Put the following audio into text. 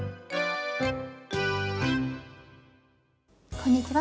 こんにちは。